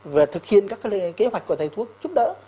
và thực hiện các cái kế hoạch của thầy thuốc giúp đỡ